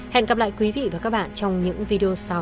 hẹn gặp lại quý vị và các bạn trong những video sau